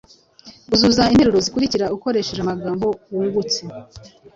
Uzuza interuro zikurikira ukoresheje amagambo wungutse: